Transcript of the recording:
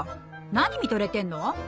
何見とれてんの！